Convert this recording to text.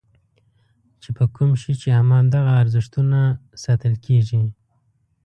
چې په کوم شي چې همدغه ارزښتونه ساتل کېږي.